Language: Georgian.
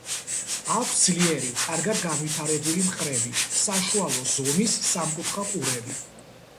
აქვს ძლიერი, კარგად განვითარებული მხრები, საშუალო ზომის, სამკუთხა ყურები.